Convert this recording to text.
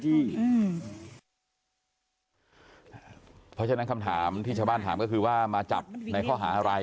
เพราะฉะนั้นคำถามที่ชาวบ้านถามก็คือว่ามาจับในข้อหาอะไร